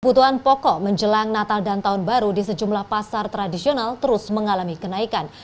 kebutuhan pokok menjelang natal dan tahun baru di sejumlah pasar tradisional terus mengalami kenaikan